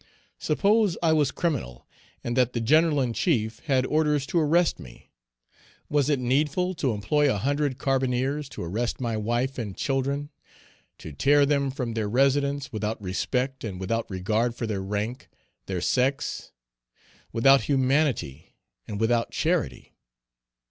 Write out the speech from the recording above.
Suppose I was criminal, and that the General in chief had orders to arrest me, was it needful to employ a hundred carbineers to arrest my wife and children, to tear them from their residence, without respect, and without regard for their rank, their sex; without humanity and without charity?